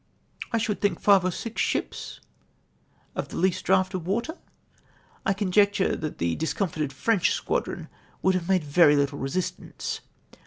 — "I should think flue or six ships of the least draught of water." "I conjecture that the discomfited French scjuadron would leave made very little resistance.'